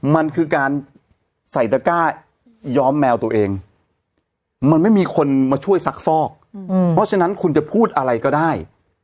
มันคือการใส่ตะก้าย้อมแมวตัวเองมันไม่มีคนมาช่วยซักฟอกเพราะฉะนั้นคุณจะพูดอะไรก็ได้